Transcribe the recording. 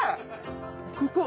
ここ。